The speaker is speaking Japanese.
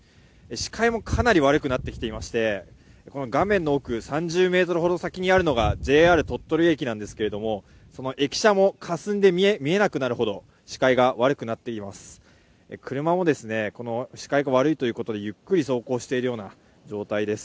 視界もかなり悪くなってきていまして画面の奥３０ｍほど先にあるのがＪＲ鳥取駅なんですけれども駅舎もかすんで見えなくなるほど視界が悪くなっています。